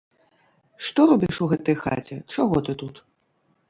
Што робіш у гэтай хаце, чаго ты тут?